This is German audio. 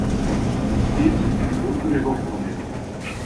Dies sind unsere Hoffnungen.